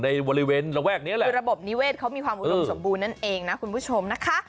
นั่นอยู่ในระบบนิเวศเขามีความอุดมสมบูรณ์นั่นเองนะคุณผู้ชมนะคะ